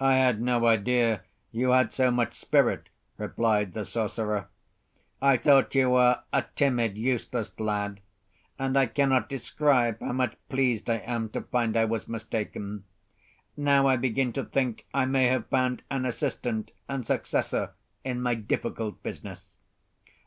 "I had no idea you had so much spirit," replied the sorcerer. "I thought you were a timid, useless lad, and I cannot describe how much pleased I am to find I was mistaken. Now I begin to think I may have found an assistant and successor in my difficult business.